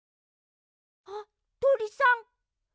ああとりさん。